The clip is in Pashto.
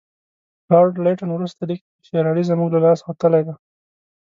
لارډ لیټن وروسته لیکي چې شېر علي زموږ له لاسه وتلی دی.